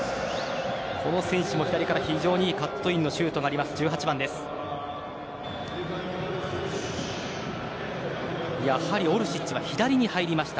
この選手も左から非常にいいカットインのシュートがあります。